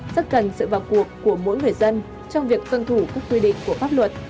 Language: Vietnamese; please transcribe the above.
rất cần sự vào cuộc của mỗi người dân trong việc tuân thủ các quy định của pháp luật